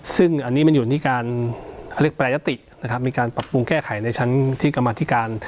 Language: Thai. ซึ่งอันนี้มันอยู่ที่การเขาเรียกแปรยตินะครับมีการปรับปรุงแก้ไขในชั้นที่กรรมธิการ